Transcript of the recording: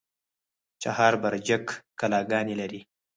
چهار برجک کلاګانې لري؟